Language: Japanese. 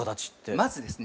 まずですね